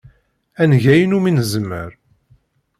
Ad neg ayen umi nezmer.